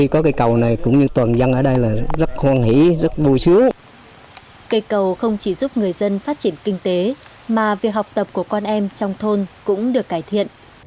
cây cầu không chỉ giúp người dân phát triển kinh tế mà việc học tập của con em trong thôn cũng được cải thiện